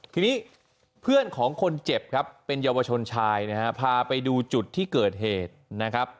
ทีนี้เพื่อนของคนเจ็บครับเป็นเยาวชนชายนะฮะพาไปดูจุดที่เกิดเหตุนะครับ